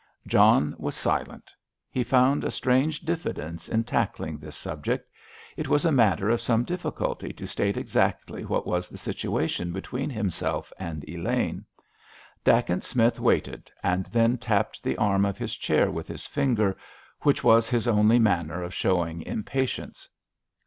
John was silent; he found a strange diffidence in tackling this subject. It was a matter of some difficulty to state exactly what was the situation between himself and Elaine. Dacent Smith waited, and then tapped the arm of his chair with his finger, which was his only manner of showing impatience.